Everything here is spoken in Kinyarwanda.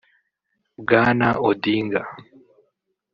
Bwana Odinga